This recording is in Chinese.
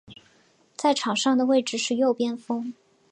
在场上的位置是右边锋。